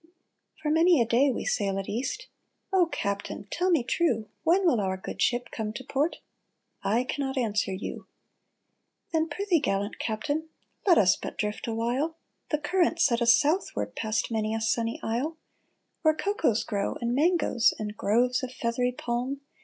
For many a day we sailed east. " O captain, tell me true. When will our good ship come to port ?"" I cannot answ^er you !"Then, prithee, gallant captain, Let us but drift awhile ! The current setteth southward Past many a sunny isle, *' Where cocoas grow, and mangoes, And groves of feathery palm.